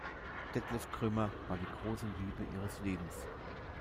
Detlef Grümmer war die große Liebe ihres Lebens.